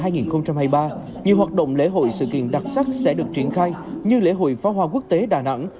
nhiều hoạt động lễ hội sự kiện đặc sắc sẽ được triển khai như lễ hội phá hoa quốc tế đà nẵng